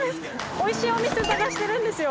美味しいお店探してるんですよ。